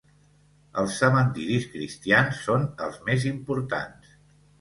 Els cementiris cristians són els més importants.